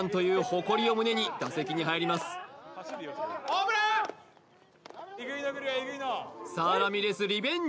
・ホームラン！